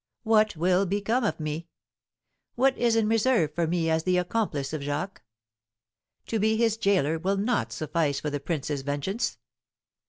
What will become of me? What is in reserve for me as the accomplice of Jacques? To be his gaoler will not suffice for the prince's vengeance.